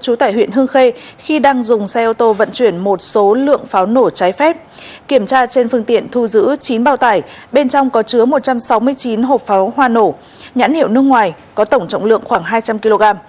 trú tại huyện hương khê khi đang dùng xe ô tô vận chuyển một số lượng pháo nổ trái phép kiểm tra trên phương tiện thu giữ chín bao tải bên trong có chứa một trăm sáu mươi chín hộp pháo hoa nổ nhãn hiệu nước ngoài có tổng trọng lượng khoảng hai trăm linh kg